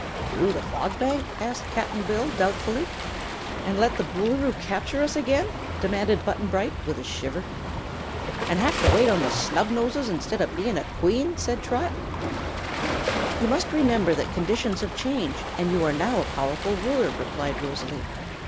"Through the Fog Bank?" asked Cap'n Bill, doubtfully. "And let the Boolooroo capture us again?" demanded Button Bright, with a shiver. "An' have to wait on the Snubnoses instead of bein' a Queen!" said Trot. "You must remember that conditions have changed, and you are now a powerful Ruler," replied Rosalie.